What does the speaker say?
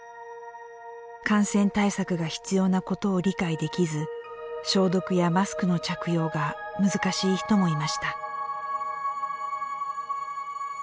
感染対策が必要なことを理解できず消毒やマスクの着用が難しい人もいました。